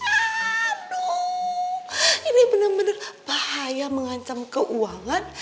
aduh ini bener bener bahaya mengancam keuangan